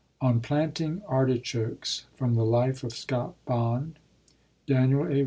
ON PLANTING ARTICHOKES FROM THE LIFE OF SCOTT BOND DANIEL A.